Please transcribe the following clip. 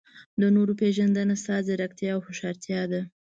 د نورو پېژندنه ستا ځیرکتیا او هوښیارتیا ده.